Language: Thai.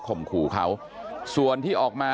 ขู่เขาส่วนที่ออกมา